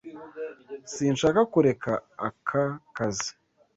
Sinshaka kureka aka kazi.